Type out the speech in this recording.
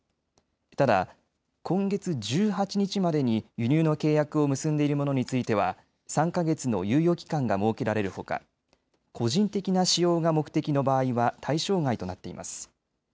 ただ今月１８日までに輸入の契約を結んでいるものについては３か月の猶予期間が設けられるほか個人的な使用が目的の場合は対象外となっています。